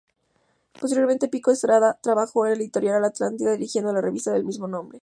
Posteriormente Pico Estrada trabajó en la Editorial Atlántida dirigiendo la revista del mismo nombre.